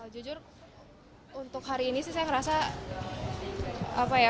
jujur untuk hari ini sih saya ngerasa